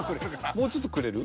もうちょっとくれる？